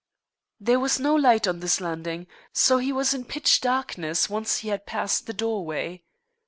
There was no light on this landing, so he was in pitch darkness once he had passed the doorway.